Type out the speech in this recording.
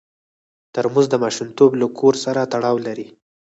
ترموز د ماشومتوب له کور سره تړاو لري.